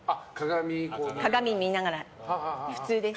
鏡見ながら、普通です。